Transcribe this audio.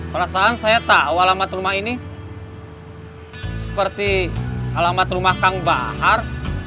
perasaan saya tahu alamat rumah ini seperti alamat rumah kang bahar